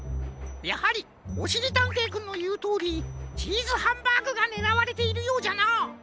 やはりおしりたんていくんのいうとおりチーズハンバーグがねらわれているようじゃな。